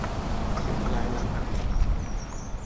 ลายลักษณ์อักษร